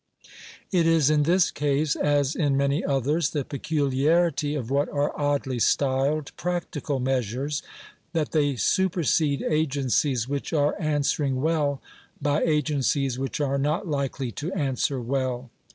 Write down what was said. It is, in this oase, as in many others, the peculiarity of what are oddly styled " practical measures/' that they supersede agencies which are answering well by agencies which are not likely to answer well.